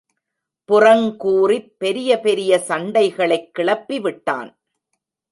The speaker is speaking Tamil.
புறங்கூறிப் பெரிய பெரிய சண்டைகளைக் கிளப்பி விட்டான்.